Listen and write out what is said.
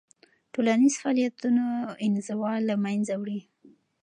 ټولنیز فعالیتونه انزوا له منځه وړي.